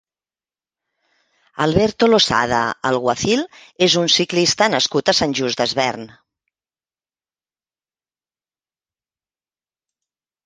Alberto Losada Alguacil és un ciclista nascut a Sant Just Desvern.